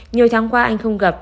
nhiều tháng qua anh không gặp